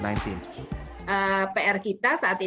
pr kita saat ini adalah angka kematian